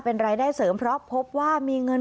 เป็นรายได้เสริมเพราะพบว่ามีเงิน